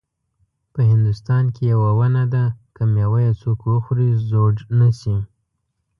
په هندوستان کې یوه ونه ده که میوه یې څوک وخوري زوړ نه شي.